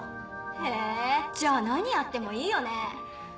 へぇじゃ何やってもいいよね。